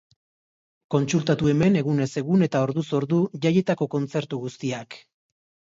Kontsultatu hemen egunez egun eta orduz ordu jaietako kontzertu guztiak.